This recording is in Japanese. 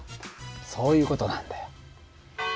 そういう事なんだよ。